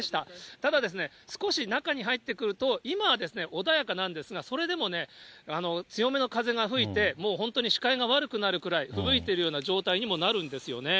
ただ、少し中に入ってくると、今は穏やかなんですが、それでもね、強めの風が吹いて、もう本当に視界が悪くなるくらい、ふぶいているような状態にもなるんですよね。